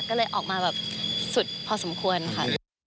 ก็เลยออกมาแบบสุดพอสมควรค่ะ